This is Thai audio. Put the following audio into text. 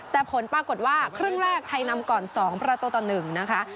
แต่ผลปรากฏว่าครึ่งแรกไทยนำก่อน๒ประตูต่อ๑นะคะ